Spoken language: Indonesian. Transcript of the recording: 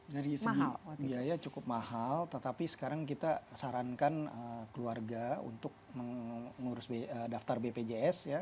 dari segi biaya cukup mahal tetapi sekarang kita sarankan keluarga untuk mengurus daftar bpjs ya